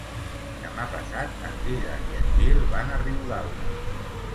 Demà passat en Dídac i en Gil van a Riudaura.